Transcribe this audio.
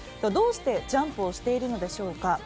どうしてジャンプをしているのでしょうか。